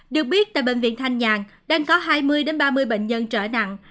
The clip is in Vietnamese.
được biết tại bệnh viện thanh nhàn đang có hai mươi ba mươi bệnh nhân trở nặng